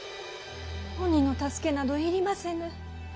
鬼の助けなど要りませぬ。